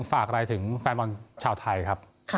ฝากอะไรถึงแฟนบอลชาวไทยครับ